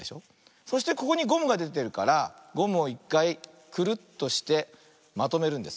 そしてここにゴムがでてるからゴムをいっかいクルッとしてまとめるんです。